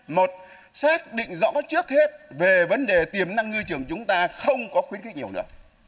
một xác định rõ trước hết về vấn đề tiềm năng ngư trường chúng ta không có khuyến khích nhiều nữa